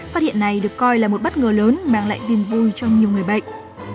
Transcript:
phát hiện này được coi là một bất ngờ lớn mang lại tin vui cho nhiều người bệnh